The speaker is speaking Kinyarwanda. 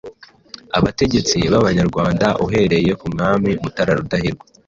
Abategetsi b'Abanyarwanda uhereye ku mwami Mutara Rudahigwa